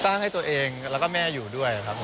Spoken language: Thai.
ให้ตัวเองแล้วก็แม่อยู่ด้วยครับผม